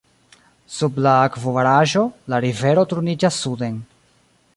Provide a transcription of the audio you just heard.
Sub la akvobaraĵo, la rivero turniĝas suden.